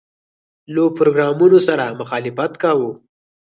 له پروګرامونو سره مخالفت کاوه.